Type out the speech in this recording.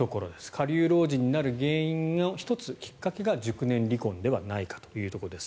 下流老人になる原因の１つきっかけが熟年離婚じゃないかということです。